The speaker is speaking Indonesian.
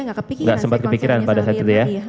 tidak kepikiran tidak sempat kepikiran pada saat itu ya